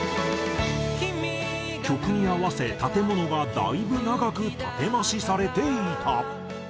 曲に合わせ建物がだいぶ長く建て増しされていた。